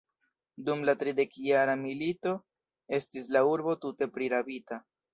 Dum la tridekjara milito estis la urbo tute prirabita.